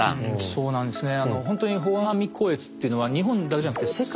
そうなんですね。